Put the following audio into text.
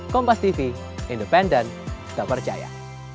kompastv independent tak percaya